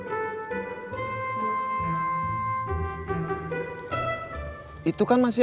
kaulah aku naikin plastik